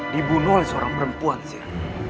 dibunuh oleh seorang perempuan sher